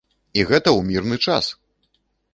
І гэта ў мірны час!